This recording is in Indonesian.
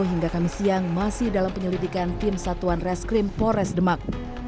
hingga kamis siang masih dalam penyelidikan tim satuan reskrim pores demak